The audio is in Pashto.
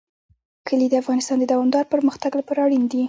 کلي د افغانستان د دوامداره پرمختګ لپاره اړین دي.